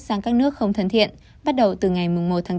sang các nước không thân thiện bắt đầu từ ngày một tháng chín